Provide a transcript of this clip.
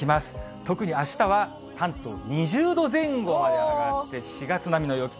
特にあしたは関東、２０度前後まで上がって、４月並みの陽気と。